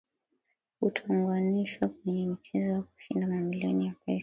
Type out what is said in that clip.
utaungwanishwa kwenye michezo ya kushinda mamilioni ya pesa